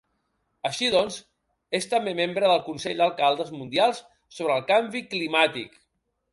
Així doncs es també membre del Consell d'Alcaldes Mundials sobre el Canvi Climàtic.